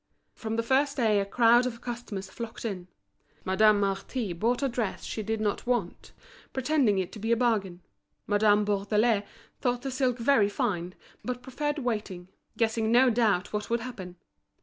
From the first day a crowd of customers flocked in. Madame Marty bought a dress she did not want, pretending it to be a bargain; Madame Bourdelais thought the silk very fine, but preferred waiting, guessing no doubt what would happen.